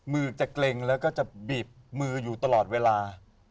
มือจะเกร็งแล้วก็จะบีบมืออยู่ตลอดเวลา